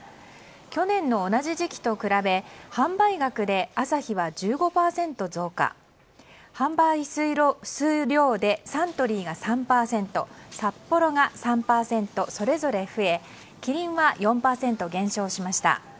去年の同じ時期と比べ販売額でアサヒは１５％増加販売数量でサントリーが３％サッポロが３％それぞれ増えキリンは４％減少しました。